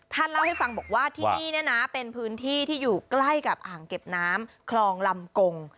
ที่นี่เป็นพื้นที่ที่อยู่ใกล้อ่างเก็บน้ำคลองลำกง